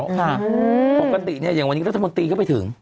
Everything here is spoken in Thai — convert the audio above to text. กลางแล้วครับปกติเนี่ยอย่างวันนี้รัฐสมกตรีก็ไปถึง